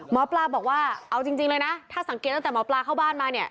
หมอปลาบอกว่าเอาจริงเลยนะถ้าสังเกตตั้งแต่หมอปลาเข้าบ้านมาเนี่ย